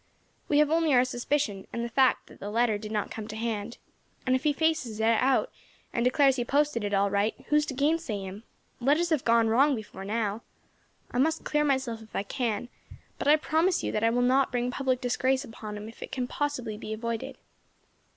We have only our suspicion, and the fact that the letter did not come to hand; and if he faces it out, and declares he posted it all right, who is to gainsay him? Letters have gone wrong before now. I must clear myself if I can, but I promise you that I will not bring public disgrace upon him if it can possibly be avoided."